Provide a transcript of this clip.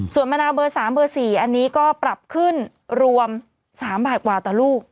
ส่วนมะนาวเบอร์๓เบอร์๔อันนี้ก็ปรับขึ้นรวม๓บาทกว่าต่อลูก